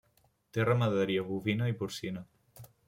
Té ramaderia bovina i porcina.